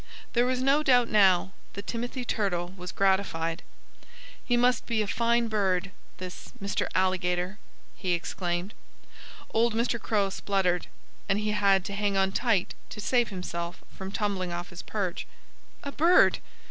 There was no doubt, now, that Timothy Turtle was gratified. "He must be a fine bird this Mr. Alligator!" he exclaimed. Old Mr. Crow spluttered. And he had to hang on tight to save himself from tumbling off his perch. A bird!